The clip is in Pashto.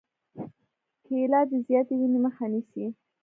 کېله د زیاتې وینې مخه نیسي.